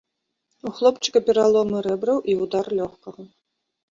У хлопчыка пераломы рэбраў і ўдар лёгкага.